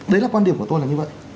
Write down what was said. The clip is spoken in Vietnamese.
đấy là quan điểm của tôi là như vậy